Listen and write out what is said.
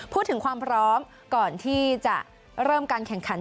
พูดถึงความพร้อมก่อนที่จะเริ่มการแข่งขัน